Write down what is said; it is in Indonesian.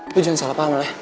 lo jangan salah paham la